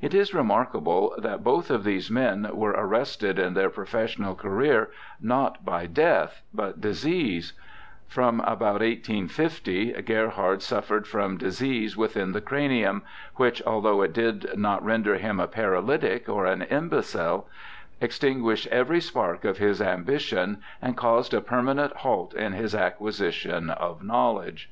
It is remarkable that both of these men were arrested in their pro fessional career not by death, but disease ; from about 1850 Gerhard suffered from disease within the cranium, which, although it did not render him a paralytic or an imbecile, extinguished every spark of his ambition, and caused a permanent halt in his acquisition of knowledge.